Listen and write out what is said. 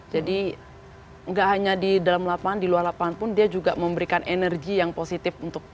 jadi nggak hanya di dalam lapangan di luar lapangan pun dia juga memberikan energi yang positif